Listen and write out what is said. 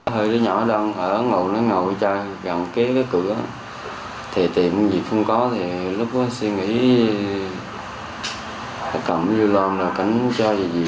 hơi là nhỏ đang ở ngồi ngồi chơi gần kế cái cửa thì tìm gì cũng không có thì lúc đó suy nghĩ